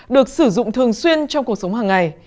được sử dụng thường xuyên trong cuộc sống hàng ngày